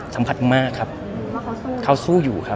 สัมผัสได้ไหมคะว่าเขาสู้หรือเปล่า